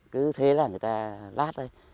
cứ thế là người ta lát thôi